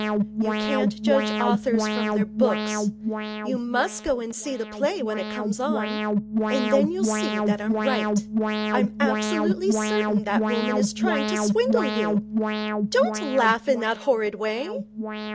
'You can't judge authors from their books. You must go and see the play when it comes on. Then you'll see I'm right. I'm absolutely certain that woman is trying to swindle you. Don't laugh in that horrid way.